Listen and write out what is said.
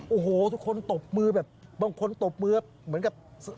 โอ้โหทุกคนตบมือแบบบางคนตบมือเหมือนกับ